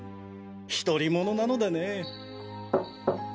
独り者なのでね。